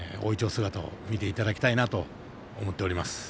姿を見ていただきたいなと思っております。